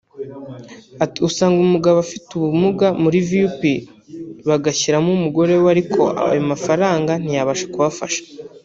Ati “Usanga nk’umugabo ufite ubumuga muri Vup bagashyiramo umugore we ariko ayo mafaranga ntiybasha kubafasha